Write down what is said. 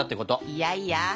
いやいや。